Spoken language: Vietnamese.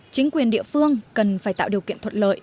chính quyền địa phương cần phải tạo điều kiện thuận lợi